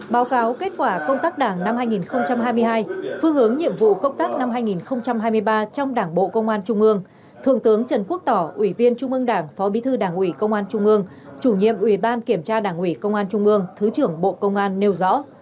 báo cáo kết quả công tác đảng năm hai nghìn hai mươi hai phương hướng nhiệm vụ công tác năm hai nghìn hai mươi ba trong đảng bộ công an trung ương thượng tướng trần quốc tỏ ủy viên trung ương đảng phó bí thư đảng ủy công an trung ương chủ nhiệm ủy ban kiểm tra đảng ủy công an trung ương thứ trưởng bộ công an nêu rõ